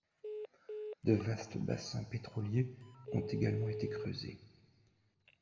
De vastes bassins pétroliers ont également été creusés.